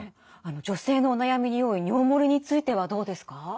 女性のお悩みに多い尿もれについてはどうですか？